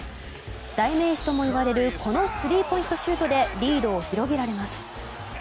代名詞ともいわれるこのスリーポイントシュートでリードを広げられます。